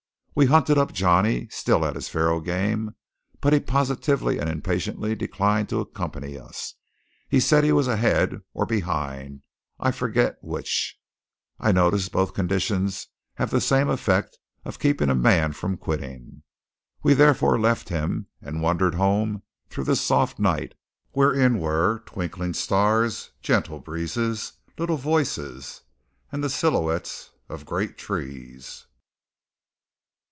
We hunted up Johnny, still at his faro game; but he positively and impatiently declined to accompany us. He said he was ahead or behind I forget which. I notice both conditions have the same effect of keeping a man from quitting. We therefore left him, and wandered home through the soft night, wherein were twinkling stars, gentle breezes, little voices, and the silhouettes of great trees.